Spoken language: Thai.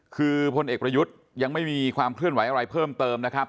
คือพลเอกประยุทธ์ยังไม่มีความเคลื่อนไหวอะไรเพิ่มเติมนะครับ